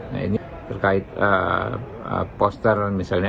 nah ini terkait poster misalnya